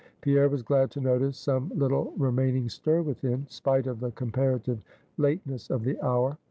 Pierre was glad to notice some little remaining stir within, spite of the comparative lateness of the hour.